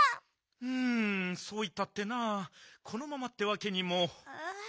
うんそういったってなこのままってわけにも。